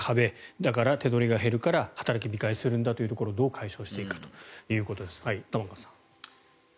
だから、手取りが減るから働き控えするんだというところをどう解消していくかということです、玉川さん。